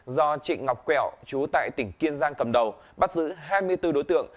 do trịnh ngọc quẹo chú tại tỉnh kiên giang cầm đầu bắt giữ hai mươi bốn đối tượng